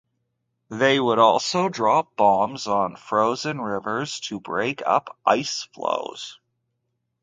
They would also drop bombs on frozen rivers to break up ice flows.